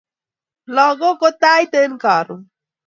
Lakok ko Tait an Karon